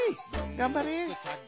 がんばれ。